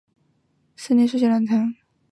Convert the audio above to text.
十年说起来很长